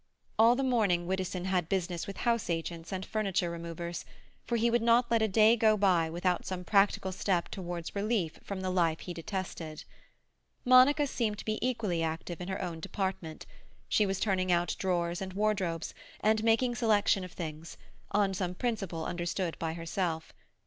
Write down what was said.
All the morning Widdowson had business with house agents and furniture removers, for he would not let a day go by without some practical step towards release from the life he detested. Monica seemed to be equally active in her own department; she was turning out drawers and wardrobes, and making selection of things—on some principle understood by herself.